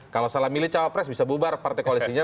kalau salah milih cawa pres bisa bubar partai koalisinya